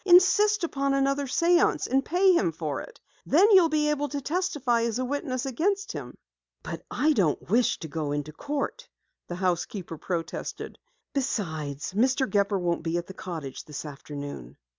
"Insist upon another séance, and pay him for it! Then you'll be able to testify as a witness against him!" "But I don't wish to go into court," the housekeeper protested. "Besides, Mr. Gepper won't be at the cottage this afternoon."